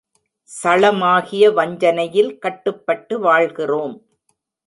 சளமாகிய வஞ்சனையில் கட்டுப்பட்டு வாழ்கிறோம்.